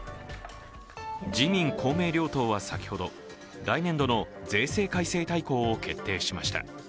自民・公明両党は先ほど来年度の税制改正大綱を決定しました。